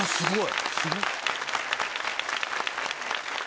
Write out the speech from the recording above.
すごい！